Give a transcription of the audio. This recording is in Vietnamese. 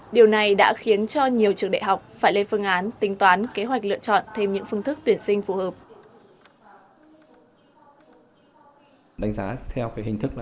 điều này đã khiến cho nhiều trường đại học phải lên phương án tính toán kế hoạch lựa chọn thêm những phương thức tuyển sinh phù hợp